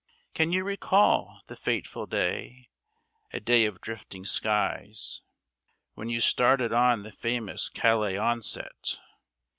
Can you recall the fateful day a day of drifting skies, When you started on the famous Calais onset?